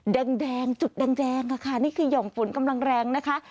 แดงจุดแดงค่ะนี่คือห่อมฝนกำลังแรงนะคะ